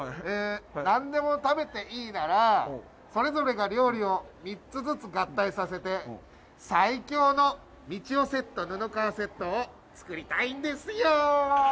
なんでも食べていいならそれぞれの料理を３つずつ合体させて最強のみちおセット布川セットを作りたいんですよ！